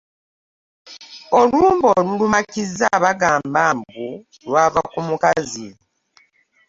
Olumbe oluluma Kizza bagamba mbu lwava ku mukazi.